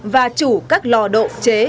và chủ các lò độ chế